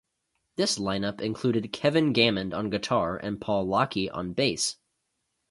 This line-up included Kevyn Gammond on guitar and Paul Lockey on bass.